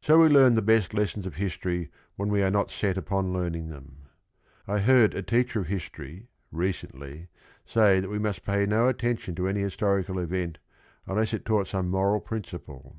So we learn the best lessons of history when we are not set upon learning them. I heard a teacher of history, recently, say that we must pay no attention to any historical event unless it taught some moral principle.